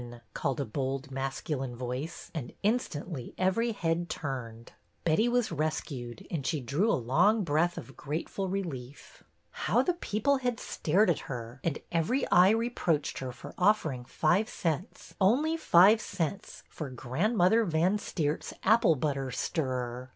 called a bol'd masculine voice, and instantly every head turned. Betty was rescued; she drew a long breath of grateful relief. THE AUCTION 141 How the people had stared at her, and every eye reproached her for offering five cents, only five cents, for Grandmother Van Steert^s apple butter stirrer